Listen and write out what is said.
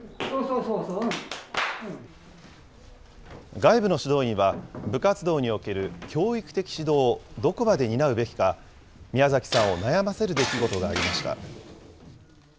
外部の指導員は部活動における教育的指導をどこまで担うべきか、宮崎さんを悩ませる出来事がありました。